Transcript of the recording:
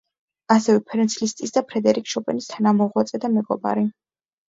ასევე ფერენც ლისტის და ფრედერიკ შოპენის თანამოღვაწე და მეგობარი.